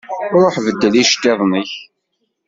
Ṛuḥ beddel iceṭṭiḍen-ik.